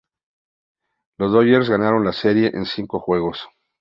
Los Dodgers ganaron la Serie en cinco juegos.